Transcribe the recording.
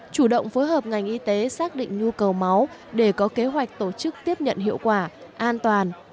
chủ động phối hợp ngành y tế xác định nhu cầu máu để có kế hoạch tổ chức tiếp nhận hiệu quả an toàn